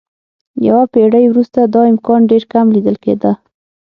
یوه پېړۍ وروسته دا امکان ډېر کم لیدل کېده.